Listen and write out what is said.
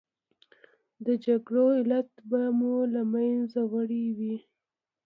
د جګړو علت به مو له منځه وړی وي.